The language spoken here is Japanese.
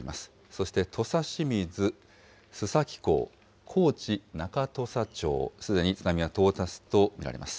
そして、土佐清水、須崎港、高知中土佐町、すでに津波は到達と見られます。